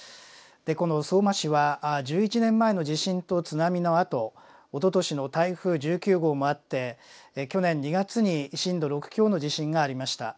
この相馬市は１１年前の地震と津波のあとおととしの台風１９号もあって去年２月に震度６強の地震がありました。